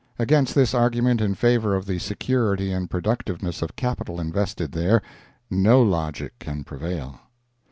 Against this argument in favor of the security and productiveness of capital invested there, no logic can prevail.